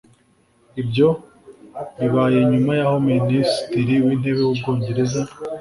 Ibyo bibaye nyuma y’aho Minisitiri w’Intebe w’u Bwongereza